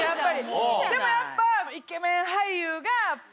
でもやっぱ。